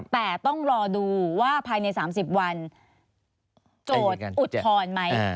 แต่ต้องรอดูว่าภายใน๓๐วันโจทย์อุทธรณ์ไหม